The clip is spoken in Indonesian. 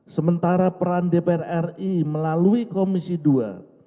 sementara peran dpr ri melalui komisi dua